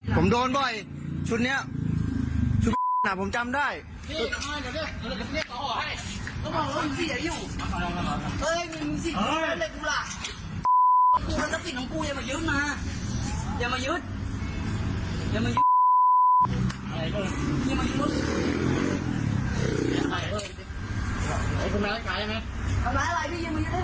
ตอนที่แม่พี่ยังยังไม่ได้กุญแจทับติดผมได้ไง